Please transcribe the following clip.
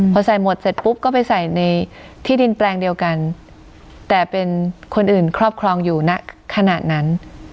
พอใส่หมดเสร็จปุ๊บก็ไปใส่ในที่ดินแปลงเดียวกันแต่เป็นคนอื่นครอบครองอยู่ณขณะนั้น